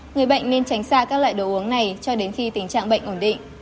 người bệnh nên tránh xa các loại đồ uống này cho đến khi tình trạng bệnh ổn định